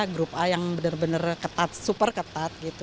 grup a yang benar benar ketat super ketat gitu